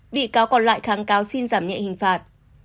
bị cáo còn lại kháng cáo xin giảm nhẹ hình phạt